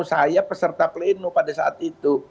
saya peserta pleno pada saat itu